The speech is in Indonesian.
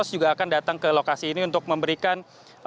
juga akan datang ke lokasi ini untuk memberikan